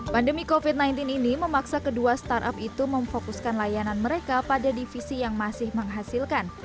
pandemi covid sembilan belas ini memaksa kedua startup itu memfokuskan layanan mereka pada divisi yang masih menghasilkan